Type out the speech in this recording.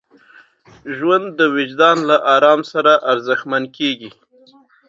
ژوند د وجدان له ارام سره ارزښتمن کېږي.